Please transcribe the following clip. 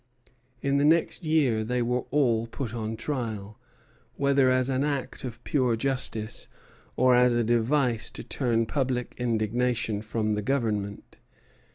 In the next year they were all put on trial, whether as an act of pure justice or as a device to turn public indignation from the Government.